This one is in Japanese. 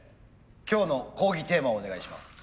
今日の講義テーマをお願いします。